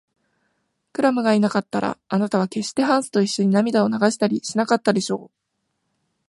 クラムがいなかったら、あなたはけっしてハンスといっしょに涙を流したりしなかったでしょう。